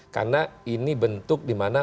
karena ini bentuk dimana